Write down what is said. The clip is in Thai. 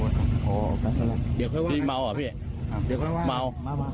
เห็นไงพี่เมาเหรออ๋อเดี๋ยวพี่เมาเหรอพี่เมา